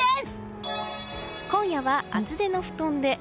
今夜は厚手の布団で。